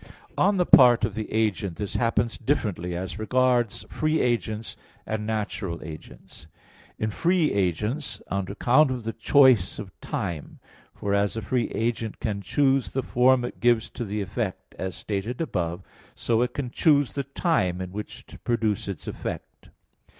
On the part of the agent this happens differently as regards free agents and natural agents. In free agents, on account of the choice of time; for as a free agent can choose the form it gives to the effect, as stated above (Q. 41, A. 2), so it can choose the time in which to produce its effect.